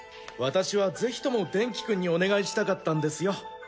私はぜひともデンキくんにお願いしたかったんですよ。